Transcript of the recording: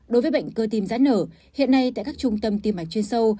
đối với bệnh cơ tim giãn nở hiện nay tại các trung tâm tiêm mạch chuyên sâu